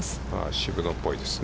渋野っぽいですね。